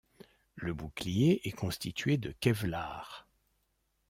Le bouclier est constitué de kevlar.